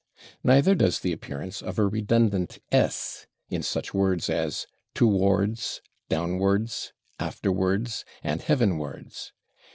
Neither does the appearance of a redundant /s/ in such words as /towards/, /downwards/, /afterwards/ and /heavenwards